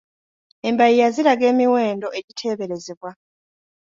Embalirira ziraga emiwendo egiteeberezebwa.